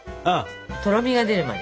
とろみが出るまで。